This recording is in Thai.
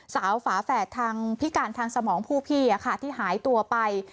ฝาแฝดทางพิการทางสมองผู้พี่ที่หายตัวไป